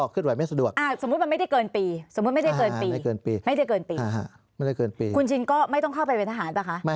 คุณชินก็ไม่ต้องเข้าไปเป็นทหารป่ะคะ